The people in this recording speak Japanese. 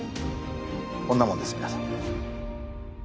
こんなもんですよみなさん。